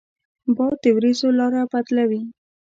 باد د ورېځو لاره بدلوي